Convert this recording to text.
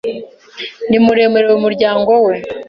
ni muremure mu muryango we.